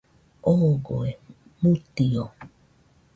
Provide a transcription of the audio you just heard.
Ogoe mutio